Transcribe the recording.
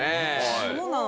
そうなの？